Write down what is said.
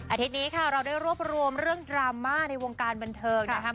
อาทิตย์นี้ค่ะเราได้รวบรวมเรื่องดราม่าในวงการบันเทิงนะครับ